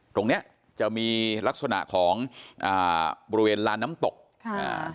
ตรงเนี้ยจะมีลักษณะของอ่าบริเวณลานน้ำตกค่ะอ่า